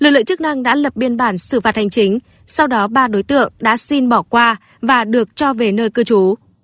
lực lượng chức năng đã lập biên bản xử phạt hành chính sau đó ba đối tượng đã xin bỏ qua và được cho về nơi cư trú